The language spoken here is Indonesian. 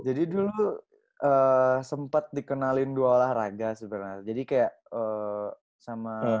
jadi dulu sempat dikenalin dua olahraga sebenarnya jadi kayak sama